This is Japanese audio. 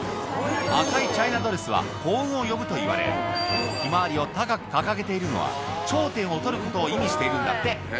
赤いチャイナドレスは幸運を呼ぶといわれ、ひまわりを高く掲げているのは、頂点を取ることを意味しているんだって。